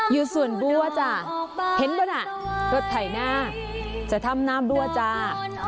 อยู่ส่วนบัวจ้ะเห็นบ้วน่ะรถถ่ายหน้าจะทำหน้าบัวจ้ะ